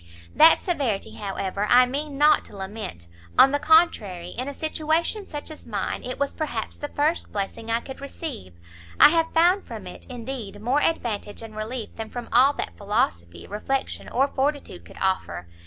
"That severity, however, I mean not to lament; on the contrary, in a situation such as mine, it was perhaps the first blessing I could receive; I have found from it, indeed, more advantage and relief than from all that philosophy, reflection or fortitude could offer.